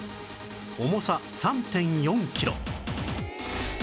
重さ ３．４ キロ